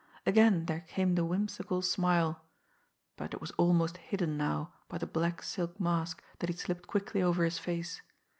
Again there came the whimsical smile, but it was almost hidden now by the black silk mask that he slipped quickly over his face.